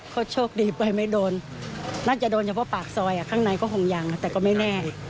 ก็ได้แล้วใช่ไหมว่าให้ระวังกัน